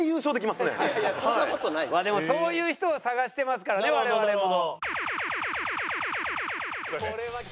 まあでもそういう人を探してますからね我々も。